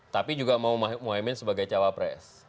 tapi juga mau muhaymin sebagai cawapres